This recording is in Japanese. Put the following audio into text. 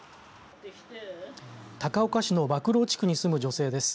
高岡市の博労地区に住む女性です。